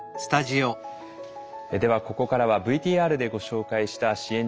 ではここからはＶＴＲでご紹介した支援